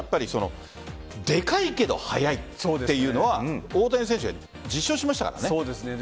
でかいけど速いっていうのは大谷選手は実証しましたからね。